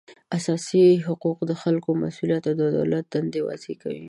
اساسي حقوق د خلکو مسولیت او د دولت دندې واضح کوي